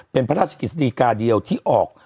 เป็นพระราชกฤษฎีกาเดียวที่ออก